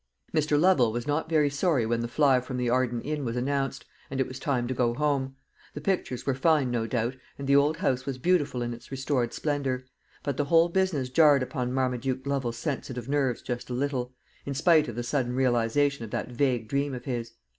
Mr. Lovel was not very sorry when the fly from the Arden Inn was announced, and it was time to go home. The pictures were fine, no doubt, and the old house was beautiful in its restored splendour; but the whole business jarred upon Marmaduke Lovel's sensitive nerves just a little, in spite of the sudden realization of that vague dream of his.